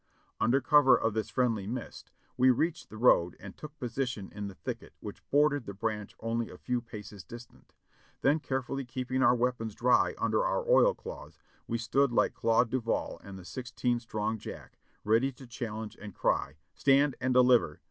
Under cover of this friendly mist we reached the road and took position in the thicket which bordered the branch only a few paces distant, then carefully keeping our weapons dry under our oilcloths, we stood like Claude Duval and Sixteen Strong Jack, ready to challenge and cry, "Stand and deliver